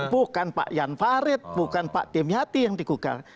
bukan pak jan farid bukan pak demiati yang dikugat